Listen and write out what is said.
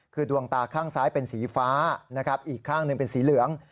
คือดวงตาข้างซ้ายเป็นสีฟ้านะครับอีกข้างหนึ่งเป็นสีเหลือง